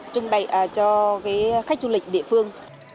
trung bày cho các khách du lịch địa phương